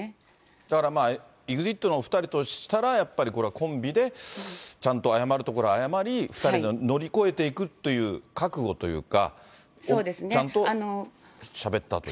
だから、ＥＸＩＴのお２人としたら、やっぱりこれはコンビでちゃんと謝るところは謝り、２人で乗り越えていくという覚悟というか、ちゃんとしゃべったという。